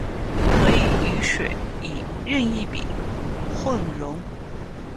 可以与水以任意比混溶。